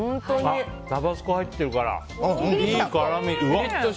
タバスコ入ってるからいい辛味。